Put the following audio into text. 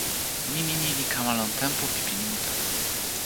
nimi ni li kama lon tenpo pi pini mute.